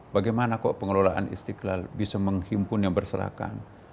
bagaimana kok pengelolaan istiqlal bisa menghimpun yang berserakan